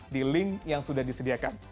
di link yang sudah disediakan